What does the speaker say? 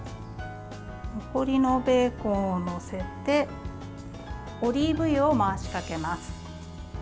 残りのベーコンを載せてオリーブ油を回しかけます。